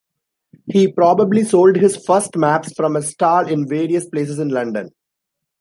He probably sold his first maps from a stall in various places in London.